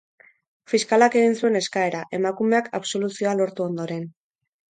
Fiskalak egin zuen eskaera, emakumeak absoluzioa lortu ondoren.